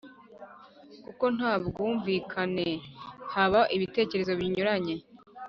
kuko nta bwumvikane haba ibitekerezo binyuranye.